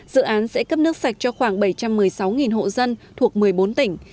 dự án sẽ cấp nước sạch cho khoảng bảy trăm một mươi sáu hộ dân thuộc một mươi bốn tỉnh